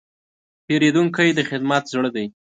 پیرودونکی د خدمت زړه دی.